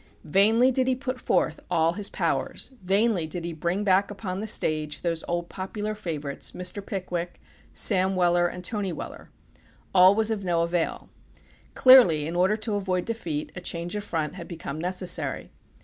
Vainly did he put forth all his powers, vainly did he bring back upon the stage those old popular favourites, Mr. Pickwick, Sam Weller, and Tony Weller. All was of no avail. Clearly, in order to avoid defeat, a change of front had become necessary.